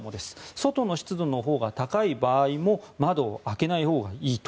外の湿度が高い場合も窓を開けないほうがいいと。